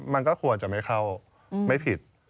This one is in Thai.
มันก็ควรจะไม่เข้าไม่ผิด